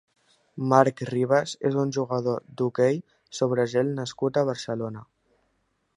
Marc Ribas és un jugador d'hoquei sobre gel nascut a Barcelona.